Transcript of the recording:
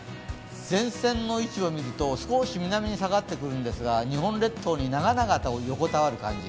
前線の位置を見ると少し南に下がってくるんですが日本列島に長々と横たわる感じ。